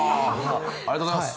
ありがとうございます。